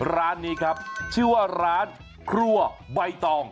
ร้านนี้ครับชื่อว่าร้านครัวใบตอง